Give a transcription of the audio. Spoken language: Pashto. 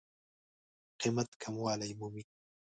قېمت کموالی مومي.